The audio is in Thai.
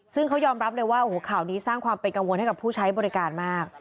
ซึ่งเขายอมรับเลยว่าโอ้โหข่าวนี้สร้างความเป็นกังวลให้กับผู้ใช้บริการมาก